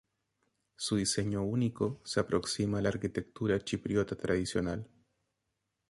Su diseño único se aproxima a la arquitectura chipriota tradicional.